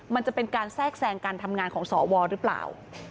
มันจะเป็นการแทรกแทรงการทำงานของสวหรือเปล่า